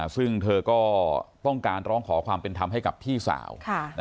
ซึ่งเธอก็ต้องการร้องขอความเป็นธรรมให้กับพี่สาว